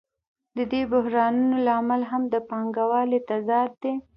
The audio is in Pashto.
د دې بحرانونو لامل هم د پانګوالۍ تضاد دی